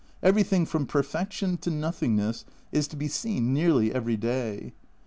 Everything from per fection to nothingness is to be seen nearly every day.